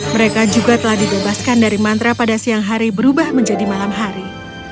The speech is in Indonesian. mereka juga telah dibebaskan dari mantra pada siang hari berubah menjadi malam hari